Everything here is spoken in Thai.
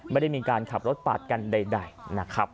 ไม่ได้มีการขับรถปาดกันใดนะครับ